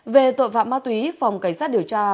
về tội phạm ma túy phòng cảnh sát điều tra